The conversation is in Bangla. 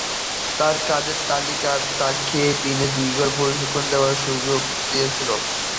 তার কাজের তালিকা তাকে দিনে দুবার প্রশিক্ষণ দেওয়ার সুযোগ করে দিয়েছিল।